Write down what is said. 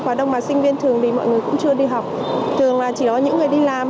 quá đông mà sinh viên thường thì mọi người cũng chưa đi học thường là chỉ có những người đi làm